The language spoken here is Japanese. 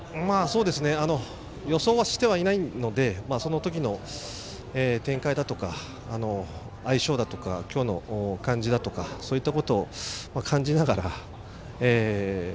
予想はしていないのでその時の展開だとか相性だとか、今日の感じだとかそういったことを感じながら。